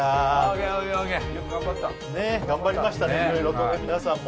頑張りましたね、いろいろと皆さんも。